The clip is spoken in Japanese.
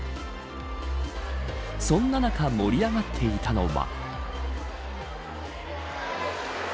そんな中盛り上がっていたのは。